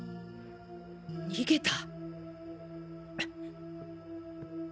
逃げた？